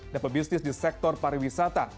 dan pebisnis di sektor pariwisata